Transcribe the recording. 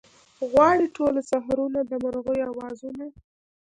غواړي ټوله سحرونه د مرغیو اوازونه